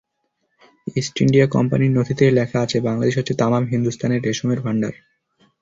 East India কোম্পানির নথিতেই লেখা আছে, বাংলাদেশ হচ্ছে তামাম হিন্দুস্তানের রেশমের ভান্ডার।